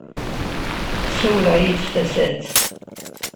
Ssawleɣ yid-s tasaɛet.